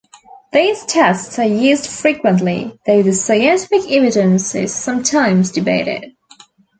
These tests are used frequently, though the scientific evidence is sometimes debated.